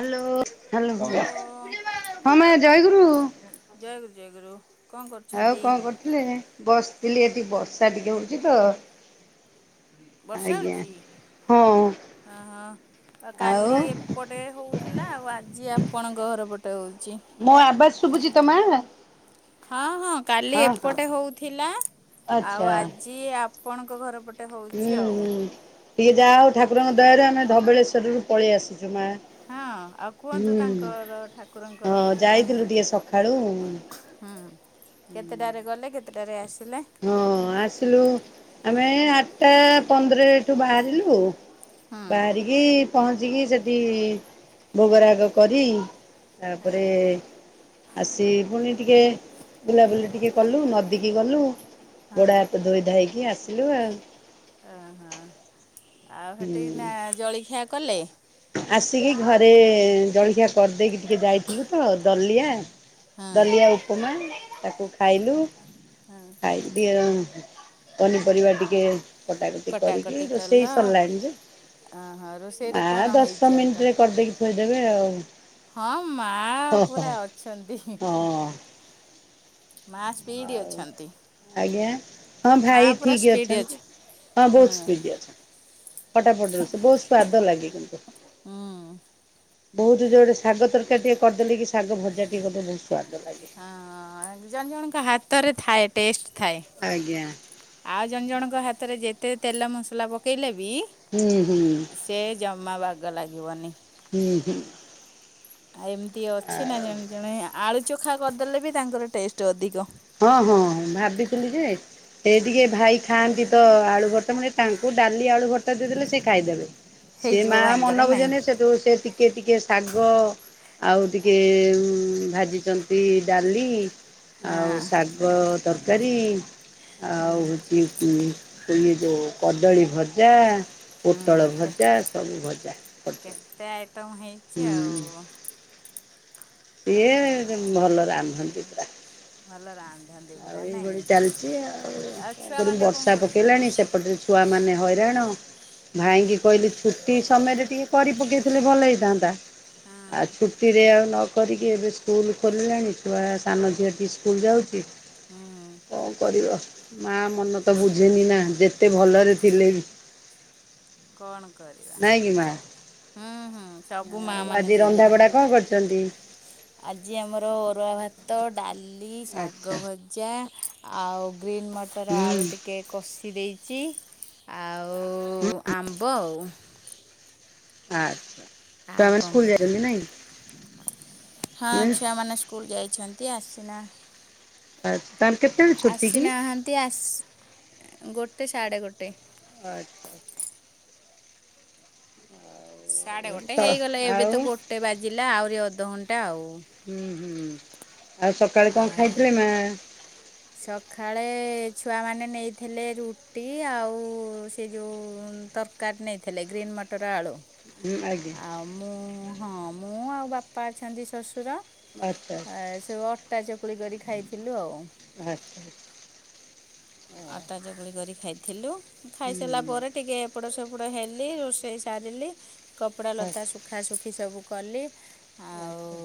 Hello, hello, hello ହଁ ମା ଜୟେଗୁରୁ। ଜୟେଗୁରୁ, ଜୟଗୁରୁ। କଣ ଆଉ କରୁଛନ୍ତି? କଣ କରୁଥିଲେ? ବସିଥିଲି ଏଠି ବର୍ଷା ଟିକେ ହଉଛି ତ। ବର୍ଷା ଆଜ୍ଞା। ହଉଛି, ହଁ ହଁ, ହଁ। ଆଉ କାଲି ଏପଟେ ହଉଥିଲା ଆଉ ଆଜି ଆପଣଙ୍କ ଘର ପଟେ ହଉଚି। ମୋ ଆବାଜ୍ ଶୁଭୁଛି ତ ମା? ହଁ ହଁ କାଲି ହଁ ହଁ ଏପଟେ ହଉଥିଲା, ଆଉ ଆଚ୍ଛା ଆଜି ଆପଣଙ୍କ ଘରପ ଟେ ହଉଛି ଆଉ। ଟିକିଏ ଯାହା ହଉ ଠାକୁରଙ୍କ ଦୟାରୁ ଆମେ ଧବଳେଶ୍ୱରରୁ ପଳେଇ ଆସିଛୁ ମା। ହଁ ଆଉ କୁହନ୍ତୁ ହୁଁ ତାଙ୍କର ଠାକୁରଙ୍କର ହଁ ଯାଇଥିଲୁ ମହିମା ଟିକେ କେତେ? ସକାଳୁ ହୁଁ କେତେଟାରେ ଗଲେ କେତେଟାରେ ଆସିଲେ? ହଁ ଆସିଲୁ ଆମେ ଏ ଆଟ୍ଟା ପନ୍ଦରରେ ଏଠୁ ବାହାରିଲୁ ହୁଁ ବାହାରିକି ପହଞ୍ଚିକି ସେଠି ଭୋଗରାଗ କରି ହଁ ତାପରେ ଆସି ପୁଣି ଟିକେ ବୁଲାବୁଲି ଟିକେ କଲୁ ନଦୀକି ଗଲୁ। ହଁ। ଗୋଡ ହାତ ଧୋଇ ଧୋଇକି ଆସିଲୁ ଆଉ। ଓହୋ ଆଉ ହେଥି ନା ଜଳିଖିଆ କଲେ। ଆସିକି ଘରେ ଜଳିଖିଆ କରିଦେଇକି ଟିକେ ଯାଇଥିଲୁ ତ, ଦଲିଆ। ହଁ। ଦଲିଆ ଉପମା, ତାକୁ ଖାଇଲୁ ଖାଇଦିଅ ଅହଁ। ପନିପରିବା ଟିକେ କଟାକଟି କରିକି ରୋଷେଇ ସରିଲାଣି ଯେ, ଅହଁ ରୋଷେଇରେ ମା କଣ ହେଇଛି ଆଇଟମ୍? ଭିତରେ କରି ଦେଇକି ଥୋଇ ଦେବେ ଆଉ ହଁ ମାଆ ହଁ ପୁରା ହଁ ଅଛନ୍ତି। ହଁ ମାସ୍ ହଉ ଆଜ୍ଞା। ହଁ ମା ଭାଇ ପୁରା ଠିକ ସ୍ପିଡ୍ ଅଛି। ଅଛନ୍ତି, ହଁ ବହୁତ ସ୍ପିଡ଼ ଅଛନ୍ତି। ଫଟାଫଟ ରୋଷେଇ ବହୁତ ସ୍ଵାଦ ଲାଗେ କିନ୍ତୁ ହୁଁ ବହୁତ ଯେଉଁ ଗୋଟେ ଶାଗ ତରକାରୀ ଟିକେ କରି ଦେଲି କି, ଶାଗ ଭଜା ଟିକେ କରି ଦେଲେ ବହୁତ ସ୍ଵାଦ ଲାଗେ। ହଁ ଜଣ ଜଣଙ୍କ ହାତରେ ଥାଏ, ଟେଷ୍ଟ ଥାଏ। ଆଜ୍ଞା ଆଉ ଜଣ ଜଣଙ୍କ ହାତରେ ଯେତେ ତେଲ ମସଲା ପକେଇଲେ ବି ହୁଁ ହୁଁ ସେ ଜମା ବାଗ ଲାଗିବନି। ହୁଁ ହୁଁ ଏମିତି ଅଛି ନା ଜଣେ ଜଣେ ଆଳୁ ଚୋଖା କରିଦେଲେ ବି ତାଙ୍କର ଟେଷ୍ଟ ଅଧିକ। ହଁ ହଁ ହଁ ଭାବିଥିଲି ଯେ, ସେ ଟିକେ ଭାଇ ଖାଆନ୍ତି ତ, ଆଳୁ ଭର୍ତା ମାନେ ତାଙ୍କୁ ଡାଲି, ଆଳୁ ଭାର୍ତା ଦେଇ ଦେଲେ ସେ ଖାଇ ଦେବେ। ସେ ହେଇଯିବ ମାଆ ଭାଇଙ୍କର ମନ ନାଇଁ ବୁଝେନି ସେଠୁ ସେ ଟିକେ ଟିକେ ଶାଗ ଆଉ ଟିକେ ଭାଜିଛନ୍ତି ଡାଲି। ହଁ ଆଉ ଶାଗ ତରକାରୀ ଆଉ ହଉଛି ଏ ଯେଉ କଦଳୀ ଭଜା, ପୋଟଳ ହୁଁ ଭଜା ସବୁ ଭଜା କରି ଦଉଁ। ଏତେ ଆଇଟମ୍ ହେଇଛି ଆଉ ଇଏ ଭଲ ରାନ୍ଧନ୍ତି ପୁରା। ଭଲ ରାନ୍ଧନ୍ତି ଆଉ ପୁରା ଏଇ ଭଳି ନାଇଁ ଚାଲିଛି ଆଉ ଆଉ କଣ କରିବି, ଛୁଆମାନେ କଣ ବର୍ଷା କରୁଛନ୍ତି? ପକେଇଲାଣି ସେ ପଟେ ଏପଟେ ଛୁଆ ମାନେ ହଇରାଣ, ଭାଇଙ୍କି କହିଲି ଛୁଟି ସମୟରେ ଟିକେ କରି ପକେଇଥିଲେ ଭଲ ହେଇଥାନ୍ତା, ହଁ ଆଉ ଛୁଟିରେ କରିକି ଏବେ ସ୍କୁଲ ଖୋଲିଲାଣି, ଛୁଆ ସାନ ଝିଅଟି ସ୍କୁଲ ଯାଉଛି। ହୁଁ କଣ କରିବ। ମାଆ ମନ ତ ବୁଝେନି ନା ଯେତେ ଭଲରେ ଥିଲେ ବି। କଣ କରିବା। ନାଇଁ କି ମା ହୁଁ ହୁଁ ସବୁ ଆଉ ମାଆ ମାନେ ଆଜି ସେଇଆ। ରନ୍ଧାବଢ଼ା କଣ କରିଛନ୍ତି ଆଜି ଆମର ଅରୁଆ ଭାତ, ଡାଲି, ଶାଗ ଆଚ୍ଛା ଭଜା। ଆଉ ଗ୍ରୀନ୍ ମଟର ହୁଁ ଆଳୁ ଟିକେ କଷି ଦେଇଛି। ଆଉ ହୁଁ ଆମ୍ବ ଅଉ ଆଚ୍ଛା ଆ ଛୁଆମାନେ କଣ ସ୍କୁଲ ଯାଇଛନ୍ତି କରିବା, ନାଇଁ ହଁ ଛୁଆ ମାନେ ସ୍କୁଲ ଯାଇଛନ୍ତି, ଆସି ନା ଆ ତାର କେତେ ଆସିନାହାନ୍ତି ଆସି ଗୋଟେ ସାଢ଼େ ଗୋଟେ ଆଚ୍ଛା। [unintelligible] ସାଡେ ଗୋଟେ ତ ହେଇଗଲା ଏବେ ଆଉ ତ ଗୋଟେ ବାଜିଲା ଆହୁରି ଅଧଘଣ୍ଟା ଆଉ। ହୁଁ ହୁଁ ଆଉ ସକାଳେ କଣ ଆଉ ଖାଏଥିଲେ ମା? ସକାଳେ ଛୁଆମାନେ ନେଇଥିଲେ ରୁଟି ଆଉ ସେ ଯେଉଁ ତର କାରୀ ନେଇଥିଲେ ଗ୍ରୀନ୍ ମଟର ଆଳୁ। ହୁଁ ଆଜ୍ଞ। ଆଉ ମୁଁ ହଁ ମୁଁ ଆଉ ବାପା ଅଛନ୍ତି ଶ୍ୱଶୁର ଆଚ୍ଛା ଆ ସବୁ ଅଟା ଚକୁଳି କରି ଖାଇଥିଲୁ ଆଉ। ଆଚ୍ଛା। ଆଟା ଚକୁଳି କରି ଖାଇଥିଲୁ ହୁଁ ଖାଇସାରିଲା ପରେ ହୁଁ ଟିକେ ଏପଡ ସେପଡ଼ ହେଲି ରୋଷେଇ ସାରିଲି କପଡ଼ା ଲତା ଆଚ୍ଛା ଶୁଖା ଶୁଖି ସବୁ କଲି। ଆଉ ଆଚ୍ଛା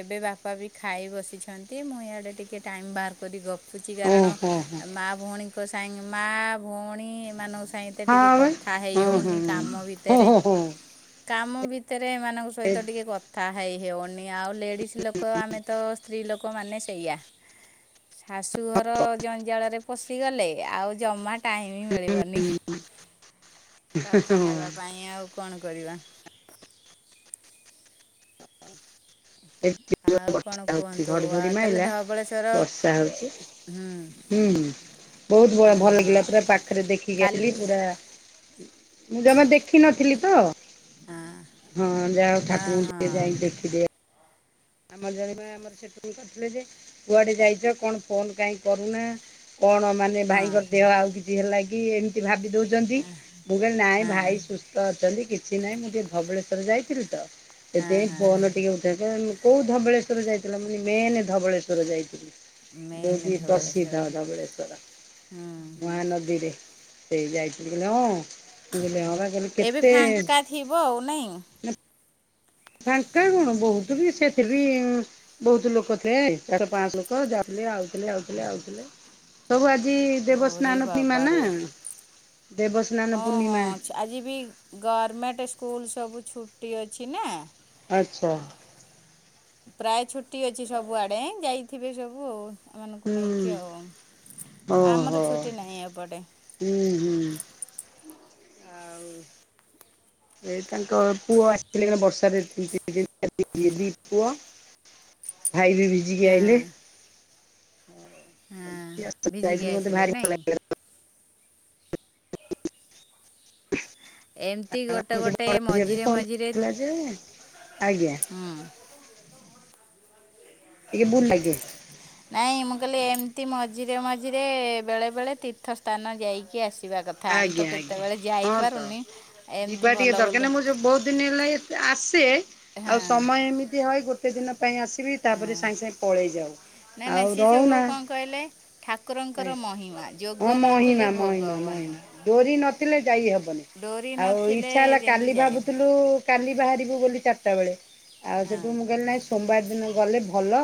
ଏବେ ବାପା ବି ଖାଇ ବସିଛନ୍ତି ମୁଁ ଇଆଡ଼େ ଟିକେ ଟାଇମ୍ ବାହାର କରି ଗପୁଚି ଓଁ କାରଣ ହଁ ହଁ ହଁ ମା ଭଉଣୀଙ୍କ ସାଙ୍ଗ ମା ଭଉଣୀ ଉଣୀ ଏମାନଙ୍କ ସହିତ ବା ଟିକେ ହଁ କଥା ହେଇ ହଁ ହଉନି କାମ ହଁ ଭିତରେ। ହଁ ହଁ କାମ ଭିତରେ ଏମାନଙ୍କ ସହିତ ଟିକେ କଥା ହେ ହେଉନି ଆଉ ଲେଡ଼ିଜ ଲୋକ ଆମେ ତ ସ୍ତ୍ରୀ ଲୋକମାନେ ସେଇଆ ଶାଶୁଘର ଜ ଜଞ୍ଜାଳ ରେ ପଶିଗଲେ ଆଉ ଜମା ଟାଇମ ମିଳିବନି। କଥା ହଁ ହେବା ପାଇଁ ଆଉ କଣ କରିବା। ଏ ଆଉ କଣ ବର୍ଷା -ହଉଛି- କୁହନ୍ତୁ ଘଡିଘଡି ଆଉ ତାହେଲେ ମାଇଲା ଧବଳେଶ୍ୱର ବର୍ଷା ହଉଛି। ହୁଁ ହୁଁ ବହୁତ ହଁ ଭଲ ହଁ ଲାଗିଲା ପୁରା ପାଖରେ ଦେଖିକି କାଲି ଆସିଲି ପୁରା ମୁଁ ଜମା ଦେଖିିନଥିଲି ତ। ହଁ ହଁ ଯାହା ହଉ ହଁ ଠାକୁରଙ୍କୁ ଟିକେ ହଁ। ଯାଇକି ଦେଖି ଦେଇ [unintelligible] ସେ ଥିଲେ ଯେ କୁଆଡେ ଯାଇଛ କଣ ଫୋନ କାଇଁ କରୁନା କଣ ମାନେ ସେ ହଁ ଭାଇଙ୍କ ଦେହ ଆଉ କିଛି ହେଲା କି ଏମିତି ଭାବି ଦଉଛନ୍ତି। ମୁଁ କହିଲି ନାହିଁ ହଁ ଭାଇ ସୁସ୍ଥ ଅଛନ୍ତି କିଛି ନାହିଁ ମୁଁ ଟିକିଏ ଧବଳେଶ୍ୱର ଯାଇଥିଲି ତ। ହଁ ସେଥିପାଇଁ ହଁ ଫୋନ ଟିକେ ଉଠେଇ କୋଉ ଧବଳେଶ୍ୱର ଯାଇଥିଲ ମୁଁ କହିଲି ମେନ ଧବଳେଶ୍ଵର ଯାଇଥିଲି। [unintelligible] ମେନ୍ ପ୍ରସିଦ୍ଧ ଧବଳେଶ୍ୱର ଧବଳେଶ୍ଵର ହୁଁ। ମହାନଦୀରେ। ସେ ଯାଇଥିଲି କହିଲେ ହଁ ମୁଁ କହିଲି ହଁ ବା କହିଲ ଏବେ କେତେ ଫାଙ୍କା ଥିବ ଆଉ ନାଇଁ। ଫାଙ୍କା କଣ ବହୁତ ବି ସେଥି ବି ବହୁତ ଲୋକ ଥିଲେ ଚାରିଶ ପାଞ୍ଚ ଲୋକ ଯାଉଥିଲେ ଆଉଥିଲେ ଆଉଥିଲେ ଆଉଥିଲେ। ସବୁ ଆଜି ଓରେ ଦେବସ୍ନାନ ପୂର୍ଣ୍ଣିମା ବାବାରେ। ନା ଦେବସ୍ନାନ ହଁ ପୂର୍ଣ୍ଣିମା। ହଁ ଆଜି ବି ଗମେଣ୍ଟ ସ୍କୁଲ ସବୁ ଛୁଟି ଅଛି ନା। ଆଚ୍ଛା। ପ୍ରାୟ ଛୁଟି ଅଛି ସବୁ ଆଡେ ଯାଇଥିବେ ସବୁ ଆଉ। ଏମାନଙ୍କୁ ହୁଁ ନେଇକି ଆଉ ଆମର ଓହୋ ଛୁଟି ନାହିଁ ଏପଟେ। ହୁଁ ହୁଁ। ଆଉ ଏ ତାଙ୍କ ପୁଅ ଆସିଥିଲେ କଣ ବର୍ଷା [unintelligible] ପୁଅ। ଭାଇ ବି ଭିଜିକି ହଁ ଆଇଲେ। ହଁ ଭିଜିଗି ଯାଇଥିଲି ମତେ ଆସିଲେ ଭାରି ଭଲ ନାଇଁ। ଲାଗିଲା [inaudible] ଏମିତି ଆମର ଗୋଟେ -ସେ- ଗୋଟେ ବଡ -ଝିଅ ମଝିରେ ଫୋନ ମଝିରେ କରିଥିଲା ଯେ ଆଜ୍ଞା। ହୁଁ। ଟିକେ ଭୁଲ ଲାଗେ। ନାଇଁ ମୁଁ କହିଲି ଏମିତି ମଝିରେ ମଝିରେ ବେଳେ ବେଳେ ତୀର୍ଥସ୍ଥାନ ଯାଇକି ଆସ ଇବା କଥା ଆମେ ତ ଆଜ୍ଞା ଆଜ୍ଞା କେତେବେଳେ ହଁ ତ ଯାଇପାରୁନି ଯିବା ଏମିତି ଟିକେ ଭଲ ଦରକାର ଭଲ ନାହିଁ ମୁଁ ଯୋଉ ବହୁତ ଦିନ ହେଲା ଆସେ ହଁ ଆଉ ସମୟ ଏମିତି ହଏ ଗୋଟେ ଦିନ ପାଇଁ ଆସେ ତିବି ହଁ। ତାପରେ ସାଙ୍ଗେ ସାଙ୍ଗେ ପଳେଇ ଯାଉ। ନାଇଁ ଆଉ ନାଇଁ ସିଏ ସବୁ ରହୁନା କଣ କହିଲେ ଠାକୁରଙ୍କର ମହିମା ହଁ ଯୋଗ ମହିମା ନଥିଲେ ଭୋଗ ମହିମା ହବନି। ମହିମା ଡୋରି ନଥିଲେ ଯାଇ ହବନି ଡୋରି ଆଉ ନଥିଲେ ଇଚ୍ଛା ହେଲା ଯେମିତି କାଲି ଯାଇ ଭାବୁଥିଲୁ କାଲି ବାହାରିବୁ ବୋଲି ଚାରିଟା ବେଳେ ଆଉ ହଁ ସେଠୁ ମୁଁ କହିଲିି ନାଇଁ ସୋମବାର ଦିନ ଗଲେ ଭଲ।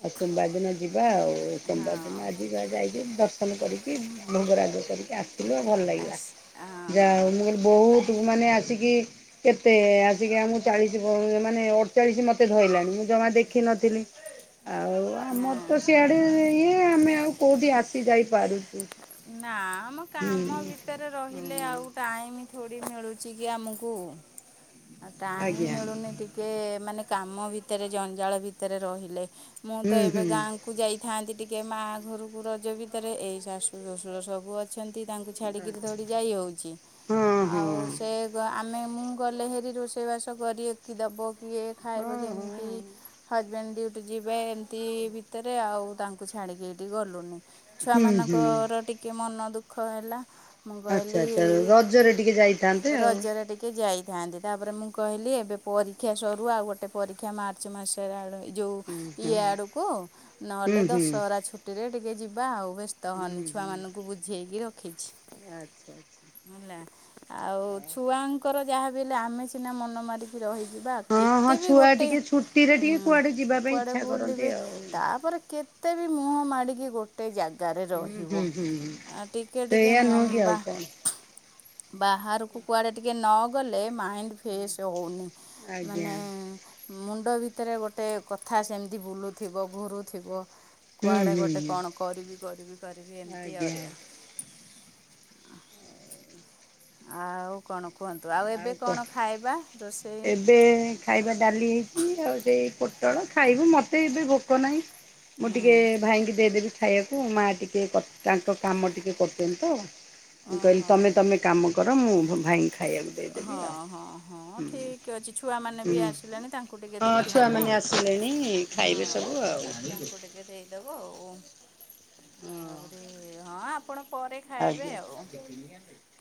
ଆଉ ସୋମବାର ଦିନ ଯିବା ଆଉ ସୋମବାର ହଁ ଦିନ ଆଜିି ବା ଯାଇକି ଦର୍ଶନ କରିକି ଭୋଗରାଗ କରିକି କି ଆସିଲୁ ଆଉ ଭଲ ଲାଗିଲା ଆସ୍- ହଁ ଯାହା ହୋଉ ମୁଁ କହିଲି ବହୁତ ମାନେ ଆସିକି କେତେ ଆସିକି ଆମକୁ ଚାଳିଶି ପରେ ମାନେ ଅଡ଼ଚାଳିଶ ମତେ ଧ ଳଇଲାଣି ମୁଁ ଜମା ଦେଖିିନଥିଲି। ଆଉ ଆମର ହଁ। ତ ସିଆଡ଼େ ଇଏ ଆମେ ଆଉ କୋଉଠି ଆସି ଯାଇପାରୁଛୁ। ନା ମ ହୁଁ କାମ ଭିତରେ ରହିଲେ ହଁ ଆଉ ଟାଇମ୍ ଥୋଡ଼ି ମିଳୁଛି କି ଆମକୁ ଆ ଟାଇମ୍ ଆଜ୍ଞା ମିଳୁନି ଟି କେ ମାନେ କାମ ଭିତରେ ଜଞ୍ଜାଳ ଭିତରେ ରହିଲେ ମୁଁ ତ ହୁଁ ଏବେ ହୁଁ। ଗାଁ କୁ ଯାଇଥାନ୍ତି ଟିକେ ମାଆ ଘରକୁ ରଜ ଭିତରେ ଏଇ ଶାଶୁ ଶ୍ୱଶୁର ସବୁ ଅ ଛନ୍ତି ତାଙ୍କୁ ଛାଡ଼ିକିରି ଧୌଡ଼ି ଯାଇ ହୋଉଛି ହଁ ହଁ ଆଉ ସେ ଗ ଆମେ ମୁଁ ଗଲେ ହେରି ରୋଷେଇ ବାସ କରି କି ଦବ କିଏ ଖାଇବ ହଁ ହଁ। କେମିତି। ହଜବେଣ୍ଡ ଡିଉଟି ଯିବେ ଏମିତି ଭିତରେ ଆଉ ତାଙ୍କୁ ଛାଡ଼ି କି ଏଠି ଗଲୁନି। ଛୁଆ ହୁଁ ହୁଁ ମାନଙ୍କର ଟିକେ ମନ ଦୁଃଖ ହେଲା। ମୁଁ ଆଚ୍ଛା କହିଲି ଆଚ୍ଛା ରଜରେ ଟିକେ ଯାଇଥାନ୍ତେ ଆଉ। ରଜରେ ଟିକେ ଯାଇ ଥାଆନ୍ତି ତାପରେ ମୁଁ କହିଲି ଏବେ ପରୀକ୍ଷା ସରୁ ଆଉ ଗୋଟେ ପରୀକ୍ଷା ମାର୍ଚ୍ଚ ମାସରେ ଆଡ଼ [unintelligible] ଯୋଉ ହୁଁ ହୁଁ ଇଏ ଆଡ଼କୁ ହୁଁ ନହେଲେ ହୁଁ ଦଶହରା ଛୁଟିରେ ଟିକେ ଯିବା ଆଉ ଏ ତହନି ହୁଁ ହୁଁ ଛୁଆମାନଙ୍କୁ ବୁଝେଇକି ରଖିଛି। ଆଚ୍ଛା ଆଚ୍ଛା। ହେଲା ଆଉ ଛୁଆଙ୍କର ଯାହାବି ହେଲେ ଆମେ ସିନା ମନ ମାରିକି ରହି ଯିବା ହଁ ହଁ କେତେ ବି ଛୁଆ ଗୋଟେ ଟିକେ ଛୁଟିରେ ଟିକେ ହୁଁ କୁଆଡ଼େ ଯିବା ପାଇଁ କୁଆଡ଼େ ଇଚ୍ଛା କରନ୍ତି ବୁଲିବେ ଆଉ। ତାପରେ କେ ତେ ବି ମୁହଁ ମାଡ଼ିକି ଗୋଟେ ଜା ଗାରେ ହୁଁ ରହିବ ହୁଁ ହୁଁ ହୁଁ ଆ ଟିକେ ଟିକେ ସେଇଆ ନୁହଁ ମନ କି ଆଉ ବା କଣ ବାହାରକୁ କୁଆଡ଼େ ଟିକେ ନ ଗଲେ ମା ମାଇଣ୍ଡ ଫ୍ରେଶ ହେଉନି ଆଜ୍ଞା। ମାନେ ମୁଣ୍ଡ ଭିତରେ ଗୋଟେ କଥା ସେମିତି ବୁଲୁଥିବ ଘୁରୁଥିବ। ହୁଁ କୁଆଡ଼େ ହୁଁ ଗୋଟେ ହୁଁ କଣ କରିବି କରିବି କରିବି ଏମିତି ଆଜ୍ଞା ଆଉରିଆ ଆଉ କଣ କୁହନ୍ତୁ ଆଉ ଏବେ କଣ ଖାଇବା ରୋଷେଇ? ବେ ଖାଇବା ଡାଲି ହେଇଛି ଆଉ ସେଇ ପୋଟଳ ଖାଇବୁ ମତେ ଏବେ ଭୋକ ନାହିଁ। ମୁଁ ହୁଁ ଟିକେ ଭାଇଙ୍କି ଦେଇଦେବି ଖାଇଆକୁ ମାଆ ଟିକେ କ ତାଙ୍କ କାମ ଟିକେ କରୁଛନ୍ତି ତ ମୁଁ କହିଲି ଓହୋ ତମେ ତମେ କାମ କର ମୁଁ ଭୁ ଭାଇଙ୍କି ଖାଇବାକୁ ଦେଇଦେବି ହଁ ଆଉ। ହଁ ହଁ ହୁଁ ଠିକ ଅଛି ଛୁଆ ମାନେ ବି ହୁଁ ଆସିଲେଣି ତାଙ୍କୁ ଟିକେ ହଁ ଦେଖି ଦେବ ଛୁଆମାନେ ଆସିଲେଣି ହଁ ଖାଇବେ ସବୁ ଆଉ। ତାଙ୍କୁ ଟିକେ ଦେଇଦବ ଆଉ। ହଁ। ଆହୁରି ହଁ ଆପଣ ପରେ ଖାଇବେ ଆଜ୍ଞା ଆଉ। [unintelligible]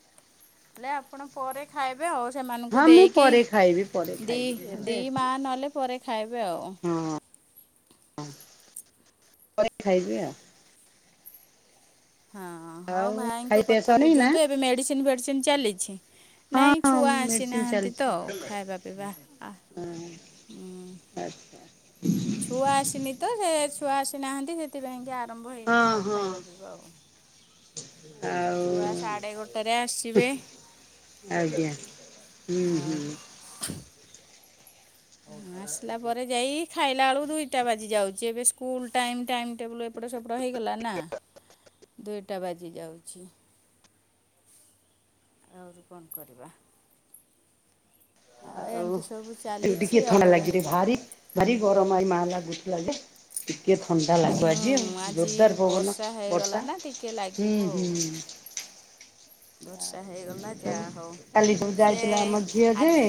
ହେଲେ ଆପଣ ପରେ ଖାଇବେ ଆଉ ସେମାନଙ୍କୁ ହଁ ମୁଁ ଦେଇକି। ପରେ ଖାଇବି ପରେ ଦି ଖାଇବି ଦି ଏବେ ମା ନହେଲେ ପରେ ଖାଇବେ ଆଉ। ହଁ ପରେ ଖାଇବି ଆଉ। ହଁ ହଁ ଆଉ ଭାଇଙ୍କ ଖାଇପିଆ କଥା ସରିନି ନା ବୁଝନ୍ତୁ ଏବେ ମେଡ଼ିସିନ୍ ଫେଡ଼ିସିନ ଚାଲିଛି? ହଁ ନାଇଁ ହଁ ଛୁଆ ମେଡିସିନ ଆସିନାହାନ୍ତି ଚାଲିଛି ତ ଖାଇବା, ପିଇବା ଆଁ ହଁ ଉଁ ଆଚ୍ଛା। ଛୁଆ ଆସିନି ତ, ସେ ଛୁଆ ଆସିନାହାନ୍ତି। ସେଥିପାଇଁ କି ଆରମ୍ଭ ହେଇନି ହଁ ଆଉ ଖାଇବା, ପିଇବା ଆଉ ଆ [unintelligible] ଛୁଆ ସାଢ଼େ ଗୋଟାରେ ଆସିବେ। ଆଜ୍ଞା ହୁଁ ଆଉ ହୁଁ। ହଁ ଆସିଲା ପରେ ଯାଇ ଖାଇଲା ବେଳକୁ ଦୁଇଟା ବାଜିଯାଉଚି। ଏବେ ସ୍କୁଲ୍ ଟାଇମ୍ ଟାଇମ୍ ଟେବୁଲ୍ ଏପ୍ ଏପଟେ ସେପଟେ ହେଇଗଲା ନା ଦୁଇଟା ବାଜି ଯାଉଛି। ଆଉ କଣ କରିବା? ଆଉ ଏମିତି ସବୁ ଚାଲିଛି ଟିକିଏ ଥଣ୍ଡା ଆଉ ଲାଗିରେ ଭାରି ଭାରି ଗରମ ଆଇ ମାଆ ଲାଗୁଥିଲା ଯେ। ଟିକେ ଥଣ୍ଡା ଲାଗିବ ହୁଁ ଯିଏ ଆଜି ଜୋରଦାର ପବନ ବର୍ଷା ହେଇଗଲା ବର୍ଷା ନା ଟିକେ ହୁଁ ଲାଗିବ ଆଉ ହୁଁ ବର୍ଷା ହେଇଗଲା ଯାହା ହଉ [inaudible] କାଲି ଉଁ ସିଏ ଯାଇଥିଲା ମଝିଆ ଯେ ଆଜି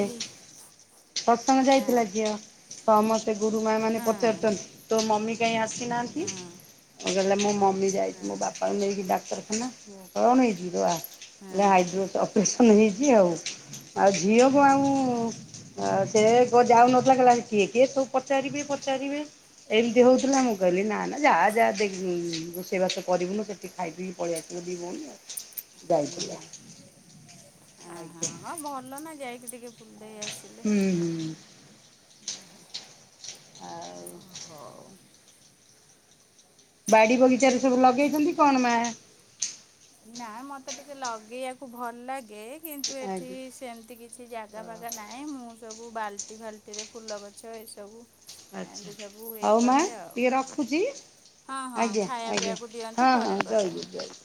ପସଙ୍ଗ ହଁ ଯାଇଥିଲା ଝିଅ। ସମସ୍ତେ ଗୁରୁମା, ମାନେ ହଁ ପଚାରୁଚନ୍ତି ତୋ, ମମି କାହିଁ ହଁ ଆସିନାହାନ୍ତି? ହଁ ଆଉ କହିଲା ମୋ ମମି ଯାଇଛି ମୋ ବାପାଙ୍କୁ ନେଇକି ଡାକ୍ତରଖାନା। କଣ ହେଇଛି ତୋ ବାପ? ହଁ କହିଲା ହାଇଡ୍ରୋସ ଅପରେସନ ହେଇଚି। ଆଉ ଆଉ ଝିଅକୁ ଆଉ ଆଉ ସେ କଅ ଯାଉନଥିଲା। କହିଲା କିଏ କିଏ ସବୁ ପଚାରିବେ ପଚାରିବେ। ଏମତି ହଉଥିଲା। ମୁଁ କହିଲି ନା ନା ଯାଆ ଯାଆ। ଦେକ ରୋଷେଇ ବାସ କରିବୁନୁ ସେଠି। ଖାଇ ପି ପଳେଇ ଆସିବୁ ଦିଇ ଭଉଣୀ ଆଉ। ହୁଁ ଯାଇଥିଲେ ହୁଁ ଆ ହା ଆଜ୍ଞା ହଁ ଭଲ ନା? ଯାଇକି ଟିକେ ବୁଲିଦେଇ ଆସିଲେ। ହୁଁ ହୁଁ। ହଉ ଆଉ ବାଡ଼ି ବଗିଚାରେ ସବୁ ଲଗେଇଛନ୍ତି କଣ ମାଆ? ନା ମତେ ଟିକେ ଲଗେଇବାକୁ ଭଲ ଲାଗେ। କିନ୍ତୁ ଏଠି ଆଜ୍ଞା ସେମତି କିଛି ଜାଗା ଫାଗା ନାହିଁ। ନାଇଁ ମୁଁ ସବୁ ବାଲ୍ଟି, ଫାଲ୍ଟିରେ ଫୁଲ ଗଛ ଏସବୁ। ଆଚ୍ଛା ଏମିତି ସବୁ ଇଏ ହଉ ମା କରେ ଆଉ ଟିକେ ରଖୁଚି। ହଁ ହଁ ଆଜ୍ଞା ଖାଇବା ଆଜ୍ଞା ପିଇବାକୁ ଦିଅନ୍ତୁ ହଁ ହଁ ପରେ କରିବ ଯାଉଚି ଯାଉଚି।